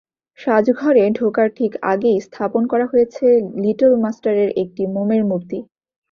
সাজঘরে ঢোকার ঠিক আগেই স্থাপন করা হয়েছে লিটল মাস্টারের একটি মোমের মূর্তি।